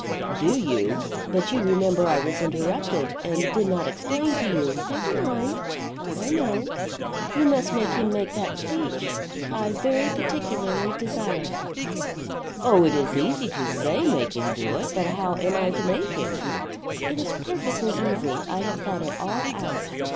"Do you? But you remember I was interrupted, and did not explain to you " "Never mind, I know. You must make him make that speech. I very particularly desire it." "Oh, it is easy to say make him do it, but how am I to make him!" "It is perfectly easy; I have thought it all out."